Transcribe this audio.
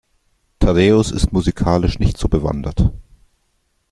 Thaddäus ist musikalisch nicht so bewandert.